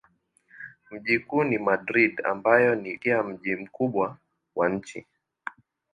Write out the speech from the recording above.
Mji mkuu ni Madrid ambayo ni pia mji mkubwa wa nchi.